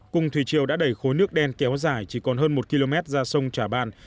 cùng thủy triều đã đẩy khối nước đen kéo dài chỉ còn hơn một km ra sông trà ban